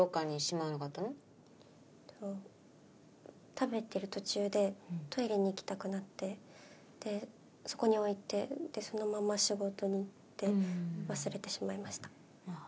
食べてる途中でトイレに行きたくなってでそこに置いてでそのまま仕事に行って忘れてしまいました。